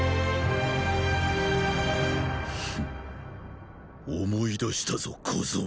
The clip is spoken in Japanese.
フッ思い出したぞ小僧。